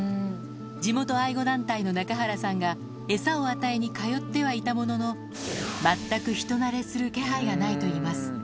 地元愛護団体の中原さんが、餌を与えに通ってはいたものの、全く人慣れする気配がないといいます。